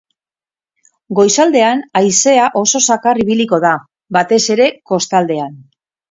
Goizaldean haizea oso zakar ibiliko da, batez ere kostaldean.